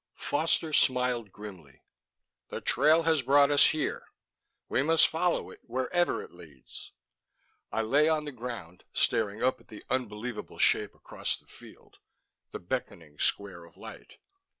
Foster smiled grimly. "The trail has brought us here. We must follow it wherever it leads." I lay on the ground, staring up at the unbelievable shape across the field, the beckoning square of light.